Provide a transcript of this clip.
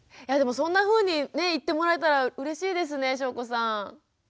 いやでもそんなふうに言ってもらえたらうれしいですね翔子さん。